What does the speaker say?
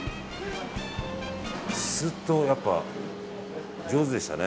スッと、やっぱ上手でしたね。